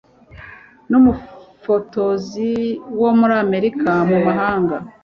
n’umufotozi wo muri Amerika mu mahanga